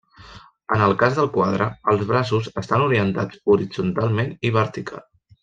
En el cas del quadre, els braços estan orientats horitzontalment i vertical.